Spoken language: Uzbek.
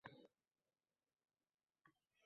Silqib oqayotir